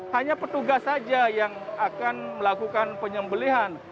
hanya petugas saja yang akan melakukan penyembelihan